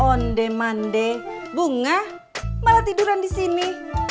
onde mande bunga malah tiduran disini